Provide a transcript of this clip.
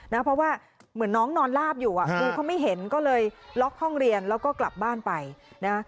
เพราะว่าเหมือนน้องนอนลาบอยู่อ่ะดูเขาไม่เห็นก็เลยล็อกห้องเรียนแล้วก็กลับบ้านไปนะ